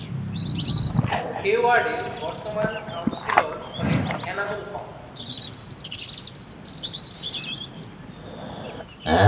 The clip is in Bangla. এ ওয়ার্ডের বর্তমান কাউন্সিলর হলেন এনামুল হক।